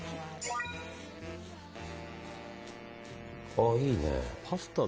あ、いいね。